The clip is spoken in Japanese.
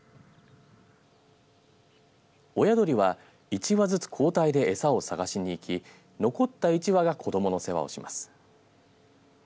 親鳥は１羽ずつ交代で餌を探しに行き残った１羽が子どもの世話をします。